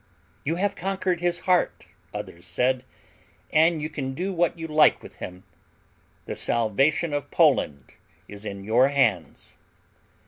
"You have conquered his heart," others said, "and you can do what you like with him. The salvation of Poland is in your hands."